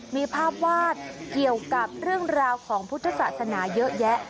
มีภาพวาดเกี่ยวกับเรื่องราวของพุทธศาสนาเยอะแยะ